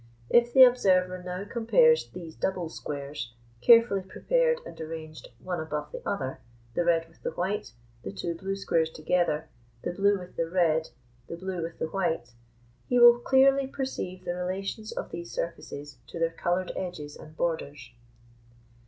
If the observer now compares these double squares, carefully prepared and arranged one above the other, the red with the white, the two blue squares together, the blue with the red, the blue with the white, he will clearly perceive the relations of these surfaces to their coloured edges and borders.